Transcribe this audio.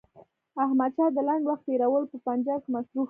احمدشاه د لنډ وخت تېرولو په پنجاب کې مصروف وو.